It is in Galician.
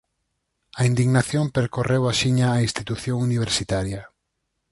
A indignación percorreu axiña a institución universitaria.